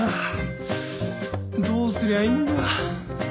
どうすりゃいいんだ。